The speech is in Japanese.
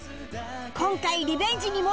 今回リベンジに燃える